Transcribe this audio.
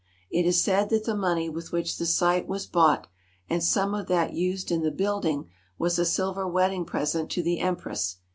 It is said that the money with which the site was bought and some of that used in the building was a silver wedding present to the Empress.